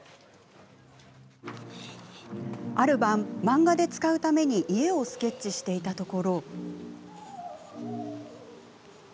ある晩、漫画で使うために家をスケッチしていたところ。